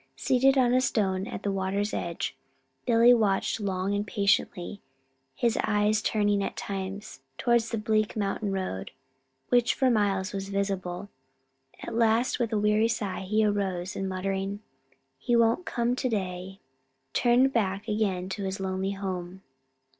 Seated on a stone at the water's edge, Billy watched long and patiently, his eyes turning at times towards the bleak mountain road, which for miles was visible. At last, with a weary sigh, he arose, and muttering, "He won't come to day," turned back again to his lonely home.